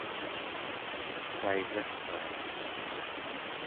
kaigatkaa